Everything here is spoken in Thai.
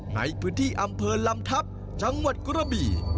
ในพื้นที่อำเภอลำทัพจังหวัดกระบี่